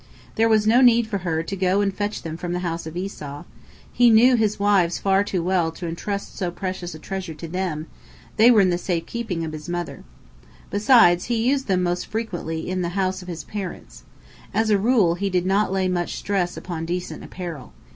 There was no need for her to go and fetch them from the house of Esau. He knew his wives far too well to entrust so precious a treasure to them; they were in the safe keeping of his mother. Besides, he used them most frequently in the house of his parents. As a rule, he did not lay much stress upon decent apparel.